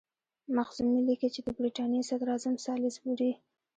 مخزومي لیکي چې د برټانیې صدراعظم سالیزبوري.